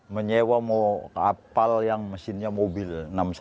menyewa kapal yang mesinnya mobil enam selang